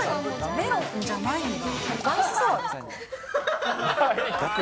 メロンじゃないんだ。